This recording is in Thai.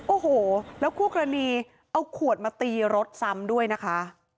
โอ้โหแล้วคู่กรณีเอาขวดมาตีรถซ้ำด้วยนะคะ